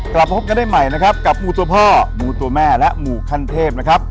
กลับพบกันได้ใหม่นะครับกับงูตัวพ่อหมูตัวแม่และหมู่ขั้นเทพนะครับ